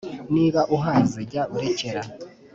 niba uhaze jya urekera